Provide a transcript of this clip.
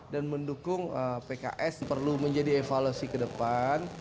dan mendukung pks perlu menjadi evaluasi kedepan